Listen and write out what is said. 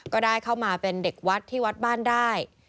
ก็ได้เข้ามาเป็นเด็กวัดที่วัดบ้านได้